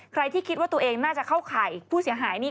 ใครที่คิดว่าตัวเองน่าจะเข้าข่ายผู้เสียหายนี่